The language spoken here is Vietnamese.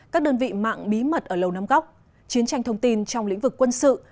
các đơn vị mạng bí mật ở lầu năm góc chiến tranh thông tin trong lĩnh vực quân sự